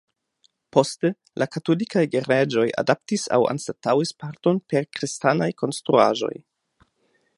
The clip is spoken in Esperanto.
Poste, la Katolikaj Gereĝoj adaptis aŭ anstataŭis parton per kristanaj konstruaĵoj.